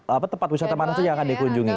apa tempat wisata mana saja yang akan dikunjungi